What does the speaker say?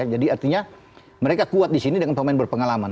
artinya mereka kuat di sini dengan pemain berpengalaman